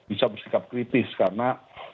bisa bersikap kritis karena